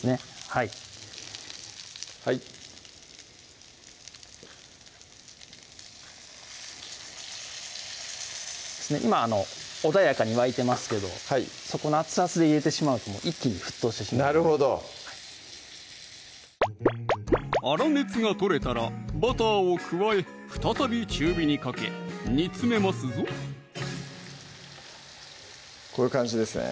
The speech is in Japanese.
はいはい今穏やかに沸いてますけどはい熱々で入れてしまうと一気に沸騰してしまうのでなるほど粗熱が取れたらバターを加え再び中火にかけ煮詰めますぞこういう感じですね